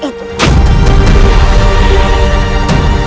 kau harus mengumpulkan dua puluh adipati